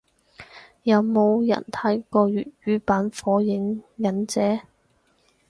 有冇人睇過粵語版火影忍者？